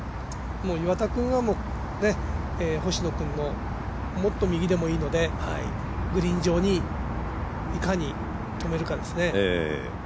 岩田君は、星野君のもっと右でもいいのでグリーン上にいかに止めるかですね。